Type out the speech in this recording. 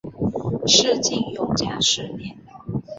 西晋永嘉四年。